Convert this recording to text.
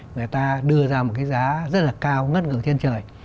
người ta đưa ra một cái giá rất là cao ngất ngựa thiên trời